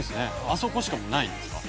あそこしかないんですか？